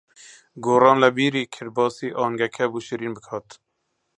گۆران لەبیری کرد باسی ئاهەنگەکە بۆ شیرین بکات.